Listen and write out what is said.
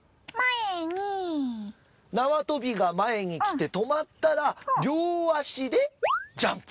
なわとびが前にきてとまったら両足でジャンプ。